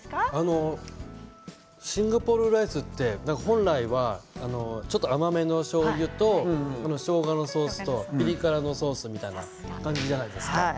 シンガポールライスって本来はちょっと甘めのしょうゆとしょうがのソースとピリ辛のソースみたいな感じじゃないですか。